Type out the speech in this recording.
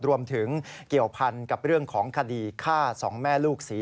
รวมถึงเกี่ยวพันกับเรื่องของคดีฆ่าสองแม่ลูกศรี